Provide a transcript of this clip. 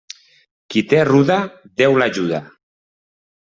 Qui té ruda, Déu l'ajuda.